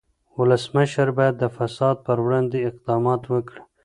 ولسمشر باید د فساد پر وړاندې اقدامات وکړي.